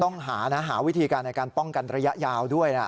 ต้องหานะหาวิธีการในการป้องกันระยะยาวด้วยนะ